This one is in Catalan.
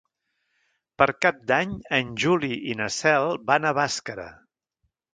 Per Cap d'Any en Juli i na Cel van a Bàscara.